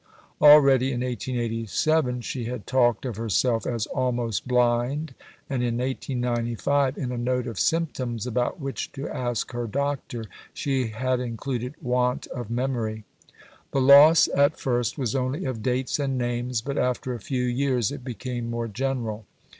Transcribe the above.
Already in 1887 she had talked of herself as "almost blind"; and in 1895, in a note of symptoms about which to ask her doctor, she had included "want of memory." The loss at first was only of dates and names, but after a few years it became more general.